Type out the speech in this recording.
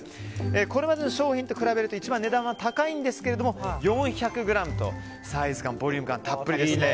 これまでの商品と比べると一番値段は高いんですけれども４００ｇとサイズ感、ボリューム感がたっぷりです。